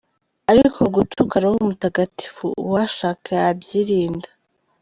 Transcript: Ariko gutuka Roho Mutagatifu uwashaka yabyirinda.